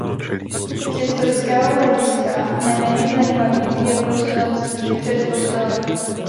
Z historického hlediska neméně zajímavým je prostranství před kostelem.